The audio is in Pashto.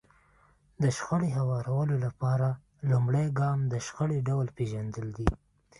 د شخړې هوارولو لپاره لومړی ګام د شخړې ډول پېژندل دي.